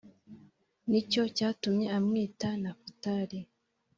Ni cyo cyatumye amwita Nafutali